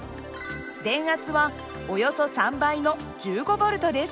電圧はおよそ３倍の１５Ｖです。